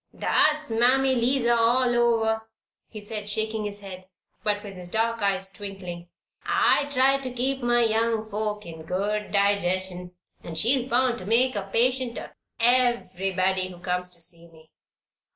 "That's Mammy 'Liza all over," he said, shaking his head, but with his dark eyes twinkling. "I try to keep my young folk in good digestion and she is bound to make a patient of everybody who comes to see me.